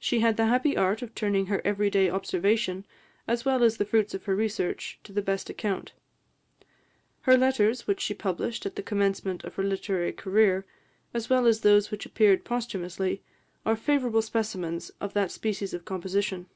She had the happy art of turning her every day observation, as well as the fruits of her research, to the best account. Her letters, which she published at the commencement of her literary career, as well as those which appeared posthumously, are favourable specimens of that species of composition.